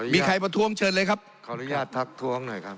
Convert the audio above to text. มีใครประท้วงเชิญเลยครับขออนุญาตทักท้วงหน่อยครับ